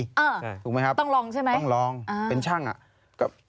ต้องลองใช่ไหมต้องลองเป็นช่างอ่ะ